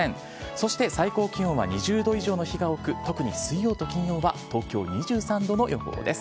そして、最高気温は２０度以上の日が多く、特に水曜と金曜は、東京、２３度の予報です。